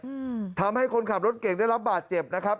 อืมทำให้คนขับรถเก่งได้รับบาดเจ็บนะครับ